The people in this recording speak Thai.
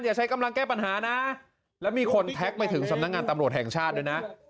ใช้กำลังแก้ปัญหานะแล้วมีคนแท็กไปถึงสำนักงานตำรวจแห่งชาติด้วยนะ